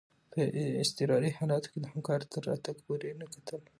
په اضطراري حالاتو کي د همکار تر راتګ پوري نه کتل.